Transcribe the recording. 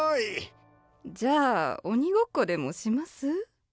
じゃあ鬼ごっこでもします？